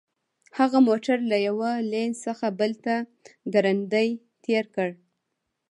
هغه موټر له یوه لین څخه بل ته ګړندی تیر کړ